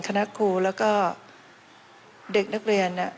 คณะครูแล้วก็เด็กนักเรียน